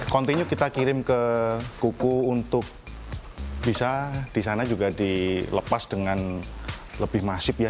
continue kita kirim ke kuku untuk bisa di sana juga dilepas dengan lebih masif ya